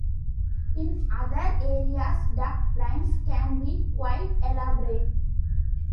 In other areas duck blinds can be quite elaborate.